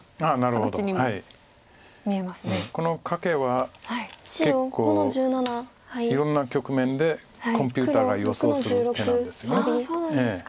結構いろんな局面でコンピューターが予想する手なんです。